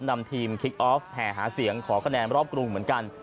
นำทีมคิกออฟแห่หาเสียงขอคะแนนรอบกรุงเหมือนกัน